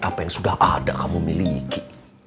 apa yang sudah ada kamu miliki